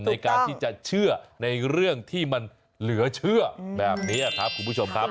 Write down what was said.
ในการที่จะเชื่อในเรื่องที่มันเหลือเชื่อแบบนี้ครับคุณผู้ชมครับ